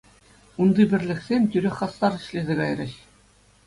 Унти пӗрлӗхсем тӳрех хастар ӗҫлесе кайрӗҫ.